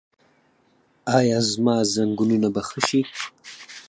ایا زما زنګونونه به ښه شي؟